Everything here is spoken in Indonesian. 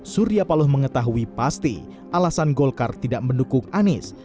surya paloh mengetahui pasti alasan golkar tidak mendukung anies